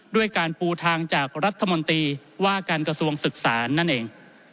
ด้วยการปูทางจากรัฐมนตรีว่าการกระทรวงศึกษานั่นเอง